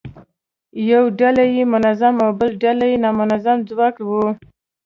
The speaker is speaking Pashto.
یو ډول یې منظم او بل ډول یې نامنظم ځواک و.